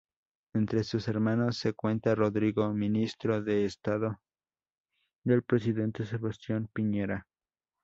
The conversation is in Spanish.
Entre sus hermanos se cuenta Rodrigo, ministro de Estado del presidente Sebastián Piñera.